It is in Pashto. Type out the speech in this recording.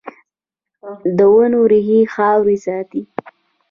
د ونو ریښې خاوره ساتي